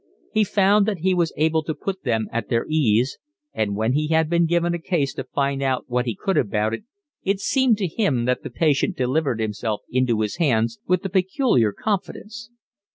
He found that he was able to put them at their ease, and, when he had been given a case to find out what he could about it, it seemed to him that the patient delivered himself into his hands with a peculiar confidence.